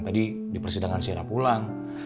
tadi di persidangan sira pulang